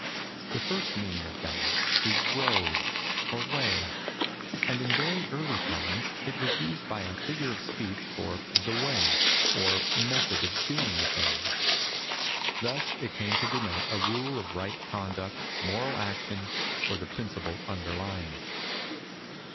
The first meaning of Tao is " road " or " way," and in very early times it was used by a figure of speech for the " way " or method of doing a thmg. Thus it came to denote a rule of right conduct, moral action, or the principle underlying it.